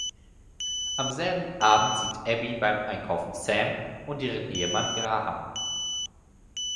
Am selben Abend sieht Abby beim Einkaufen Sam und deren Ehemann Graham.